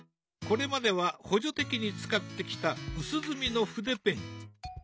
これまでは補助的に使ってきた薄墨の筆ペン。